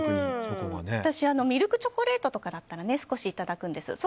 私、ミルクチョコレートとかは少しいただくんです。